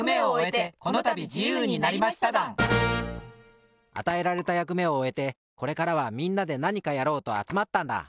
ぼくたちあたえられたやくめをおえてこれからはみんなでなにかやろうとあつまったんだ。